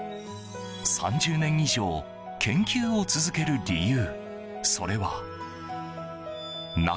３０年以上、研究を続ける理由。